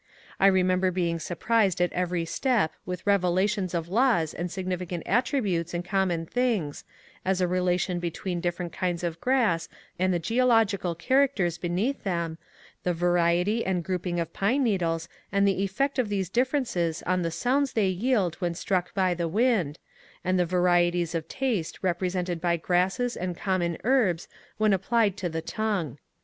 I remember being surprised at every step with revelations of laws and significant attributes in common things — as a relation between different kinds of grass and the geo logical characters beneath them, the variety and grouping of 142 MONCURE DANIEL CONWAY I pine needles and the effect of these differences on the sounds I they yield when struck by the wind, and the varieties of taste represented by grasses and common herbs when applied to the tongue.